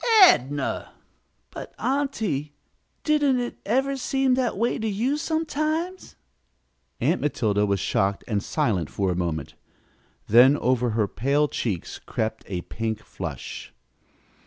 "Adnah!" "But, aunty, didn't it ever seem that way to you, sometimes?" Aunt Matilda was shocked and silent for a moment, then over her pale cheeks crept a pink flush.